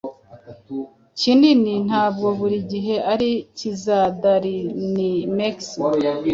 Kinini ntabwo buri gihe ari cyizadarinmex